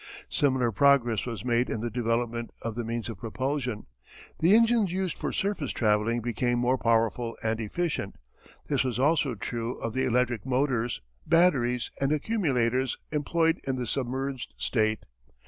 Similar progress was made in the development of the means of propulsion. The engines used for surface travelling became more powerful and efficient. This was also true of the electric motors, batteries, and accumulators employed in the submerged state.